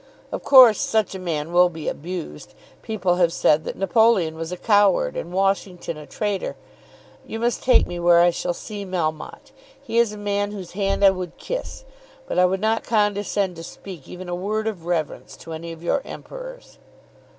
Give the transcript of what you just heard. "Of course such a man will be abused. People have said that Napoleon was a coward, and Washington a traitor. You must take me where I shall see Melmotte. He is a man whose hand I would kiss; but I would not condescend to speak even a word of reverence to any of your Emperors."